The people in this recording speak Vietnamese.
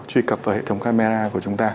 truy cập vào hệ thống camera của chúng ta